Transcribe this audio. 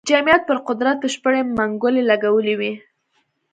جمعیت پر قدرت بشپړې منګولې لګولې وې.